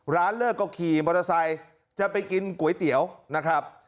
เลิกก็ขี่มอเตอร์ไซค์จะไปกินก๋วยเตี๋ยวนะครับ